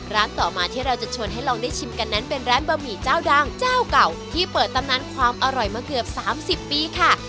ร้านต่อมาที่เราจะชวนให้ลองได้ชิมกันนั้นเป็นร้านบะหมี่เจ้าดังเจ้าเก่าที่เปิดตำนานความอร่อยมาเกือบ๓๐ปีค่ะ